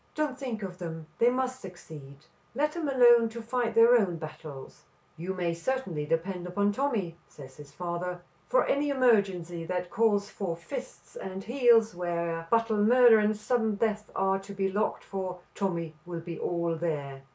"Don't think of them. They must succeed. Let them alone to fight their own battles." "You may certainly depend upon Tommy," says his father. "For any emergency that calls for fists and heels, where battle, murder and sudden death are to be looked for, Tommy will be all there."